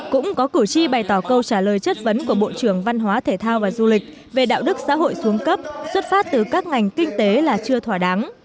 cũng có cử tri bày tỏ câu trả lời chất vấn của bộ trưởng văn hóa thể thao và du lịch về đạo đức xã hội xuống cấp xuất phát từ các ngành kinh tế là chưa thỏa đáng